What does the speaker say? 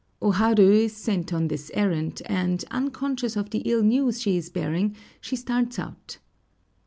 O Haru is sent on this errand, and, unconscious of the ill news she is bearing, she starts out.